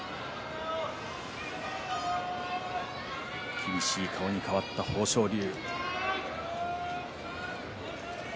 厳しい顔に変わった豊昇龍。